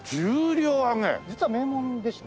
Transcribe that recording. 実は名門でして。